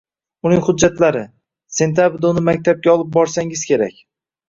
Uning hujjatlari. Sentyabrda uni maktabga olib borsangiz kerak.